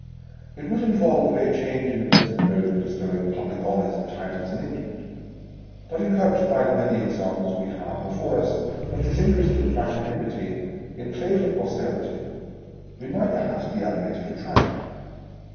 It would involve a change in the present mode of bestowing public honours and titles in England ; but, encouraged by the many examples we have before us of disinterested magnanimity in favour of Posterity, we might perhaps be animated to try it.